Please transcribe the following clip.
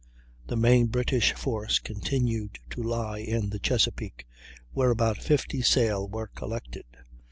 The main British force continued to lie in the Chesapeake, where about 50 sail were collected.